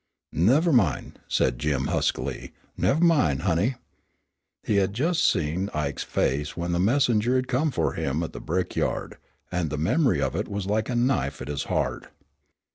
"Nev' min'," said Jim, huskily; "nev' min', honey." He had seen Ike's face when the messenger had come for him at the brickyard, and the memory of it was like a knife at his heart.